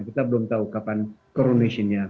kita belum tahu kapan coronationnya